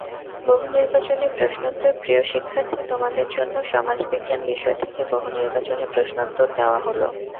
বহুনির্বাচনি প্রশ্নোত্তরপ্রিয় শিক্ষার্থী, তোমাদের জন্য সমাজবিজ্ঞান বিষয় থেকে বহুনির্বাচনি প্রশ্নোত্তর দেওয়া হলো।